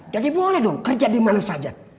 jadi boleh kerja di mana saja